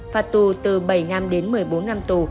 phạt tù từ bảy năm đến một mươi bốn năm tù